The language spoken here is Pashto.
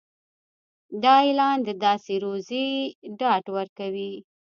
دا اعلان د داسې روزي ډاډ ورکوي.